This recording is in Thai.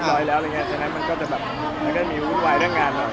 ร้อยแล้วอะไรอย่างเงี้ยฉะนั้นมันก็จะแบบมันก็จะมีวุ่นวายเรื่องงานหน่อย